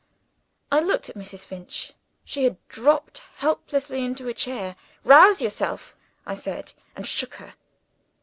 I looked at Mrs. Finch. She had dropped helplessly into a chair. "Rouse yourself!" I said and shook her.